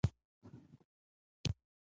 ماخپل ډار او بیره سیند ته وغورځول